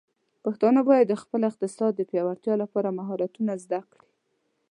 پښتانه بايد د خپل اقتصاد د پیاوړتیا لپاره مهارتونه زده کړي.